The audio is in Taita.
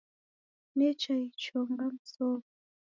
Necha icho ngamsowa